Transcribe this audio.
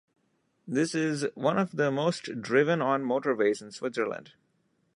This is one of the most driven-on motorways in Switzerland.